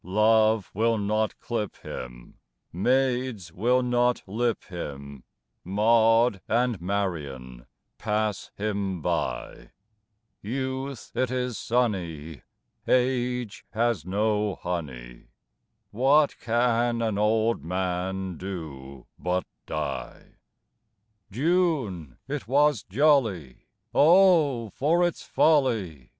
Love will not clip him, Maids will not lip him, Maud and Marian pass him by; Youth it is sunny, Age has no honey, What can an old man do but die? June it was jolly, Oh for its folly!